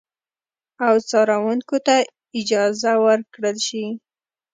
او څارونکو ته اجازه ورکړل شي